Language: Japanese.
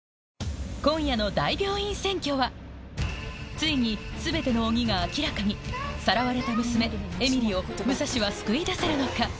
ついに全ての鬼が明らかにさらわれた娘えみりを武蔵は救い出せるのか？